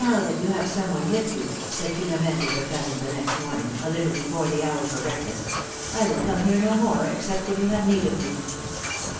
that you have some one with you," said Philom^ne to her cousin, the next morning, a little before the hour for breakfast, will come no more, except when you have need of me."